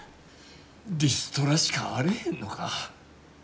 リストラしかあれへんのか。